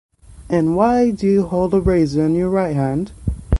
And why do you hold a razor in your right hand?